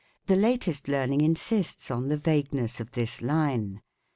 2 The latest learning insists on the vagueness of this line.